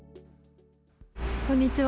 こんにちは。